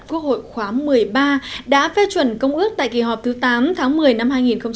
quốc hội khóa một mươi ba đã phê chuẩn công ước tại kỳ họp thứ tám tháng một mươi năm hai nghìn một mươi chín